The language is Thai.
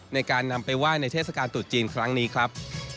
ในการนำไปไหว้ในเทศกาลตรุษจีนครั้งนี้ครับ